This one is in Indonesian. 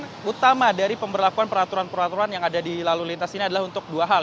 yang utama dari pemberlakuan peraturan peraturan yang ada di lalu lintas ini adalah untuk dua hal